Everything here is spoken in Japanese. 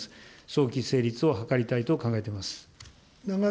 早期成立を図りたいと考えています。